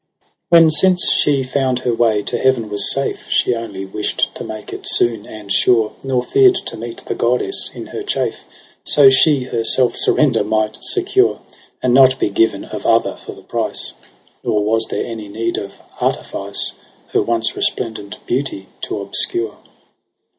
174 EROS ^. PSYCHE If When since she found her way to heaven was safe, She only wisht to make it soon and sure ; Nor fear'd to meet the goddess in her chafe. So she her self surrender might secure. And not be given of other for the price ; Nor was there need of any artifice Her once resplendent beauty to obscure.